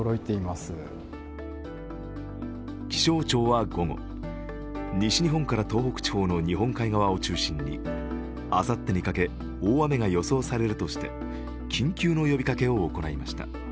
気象庁は午後、西日本から東北地方の日本海側を中心にあさってにかけ大雨が予想されるとして、緊急の呼びかけを行いました。